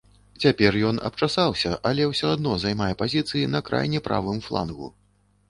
Цяпер ён абчасаўся, але ўсё адно займае пазіцыі на крайне правым флангу.